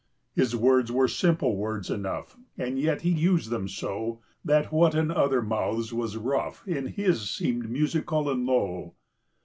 His words were simple words enough, And yet he used them so, That what in other mouths was rough In his seemed musical and low.